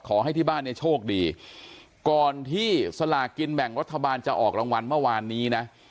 ขอให้ที่บ้านเนี่ยโชคดีก่อนที่สลากินแบ่งรัฐบาลจะออกรางวัลเมื่อวานนี้นะ